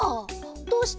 どうして？